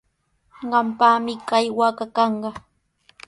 Qampaqmi kay waaka kanqa.